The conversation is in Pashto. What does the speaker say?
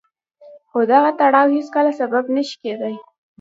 خو دغه تړاو هېڅکله سبب نه شي کېدای.